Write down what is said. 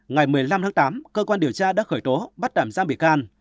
ngày một mươi năm tám cơ quan điều tra đã khởi tố bắt đảm giam bị can